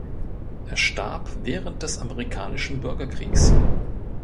Er starb während des Amerikanischen Bürgerkriegs.